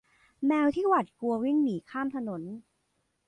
แมวที่หวาดกลัววิ่งหนีข้ามถนน